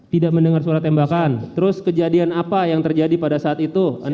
tidak mendengar suara tembakan terus kejadian apa yang terjadi pada saat itu